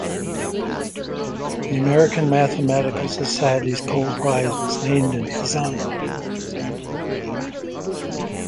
The American Mathematical Society's Cole Prize was named in his honor.